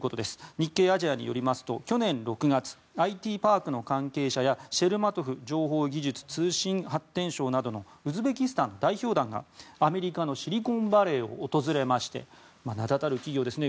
日経アジアによりますと去年６月ＩＴパークの関係者やシェルマトフ情報技術・通信開発相などのウズベキスタン代表団がアメリカのシリコンバレーを訪れまして名だたる企業ですね